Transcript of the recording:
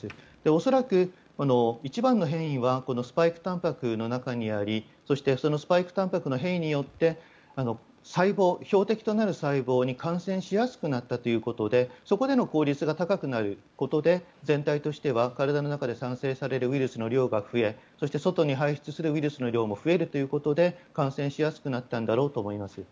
恐らく、一番の変異はスパイクたんぱくの中にありそしてそのスパイクたんぱくの変異によって、細胞標的となる細胞に感染しやすくなったということでそこでの効率が高くなることで全体としては体の中で産生されるウイルスの量が増えそして外に排出するウイルスの量も増えるということで感染しやすくなったんだろうと思います。